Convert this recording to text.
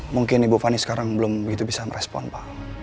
mungkin ibu fani sekarang belum begitu bisa merespon pak